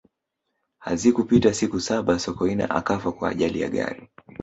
hazikupita siku saba sokoine akafa kwa ajali ya gari